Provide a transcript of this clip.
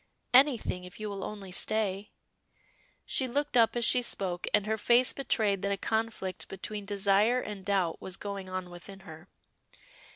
"Anything, if you will only stay." She looked up as she spoke, and her face betrayed that a conflict between desire and doubt was going on within her.